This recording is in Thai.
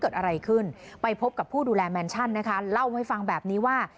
เกิดอะไรขึ้นไปพบกับผู้ดูแลแมนชั่นนะคะเล่าให้ฟังแบบนี้ว่า